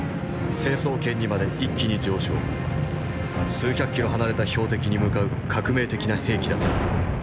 数百キロ離れた標的に向かう革命的な兵器だった。